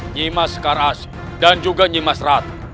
nyima sekarasi dan juga nyima serata